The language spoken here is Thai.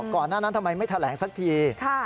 ก่อนหน้านั้นทำไมไม่แถลงสักที